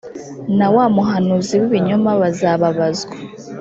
na wa muhanuzi w ibinyoma bazababazwa